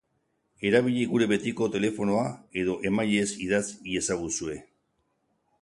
Erabili gure betiko telefonoa edo emailez idatz iezaguzue.